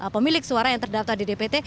satu dua ratus pemilik suara yang terdaftar di dpt